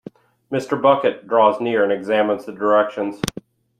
Mr. Bucket draws near and examines the directions.